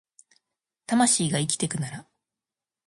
魂が生きてくなら